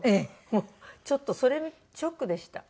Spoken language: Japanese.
もうちょっとそれショックでした。